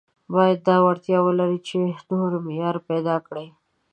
باید دا وړتیا ولري چې نوي معناوې پیدا کړي.